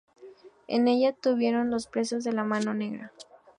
En ella estuvieron los presos de la Mano Negra.